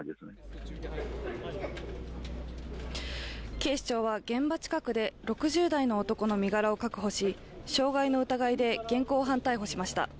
警視庁は現場近くで６０代の男の身柄を確保し傷害の疑いで現行犯逮捕しました。